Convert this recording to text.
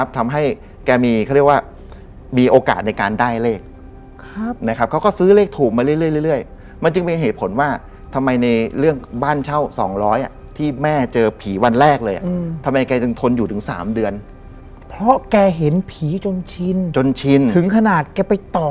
ที่เหมือนทางบ้านบอมเขาเขาเชื่อ